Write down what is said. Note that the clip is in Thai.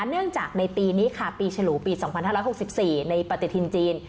เนื่องจากในปีนี้ค่ะปีฉลุปีสองพันห้าร้อยหกสิบสี่ในประติธินจีน